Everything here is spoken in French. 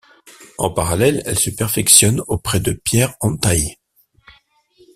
En parallèle, elle se perfectionne auprès de Pierre Hantaï.